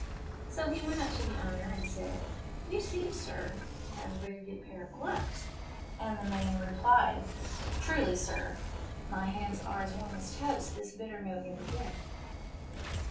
So he went up to the owner and said, "You seem, sir, to have a very good pair of gloves." And the man replied, "Truly, sir, my hands are as warm as toast this bitter November day."